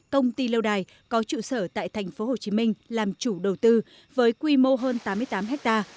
công ty lâu đài có trụ sở tại tp hcm làm chủ đầu tư với quy mô hơn tám mươi tám ha